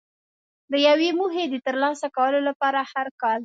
د یوې موخې د ترلاسه کولو لپاره هر کال.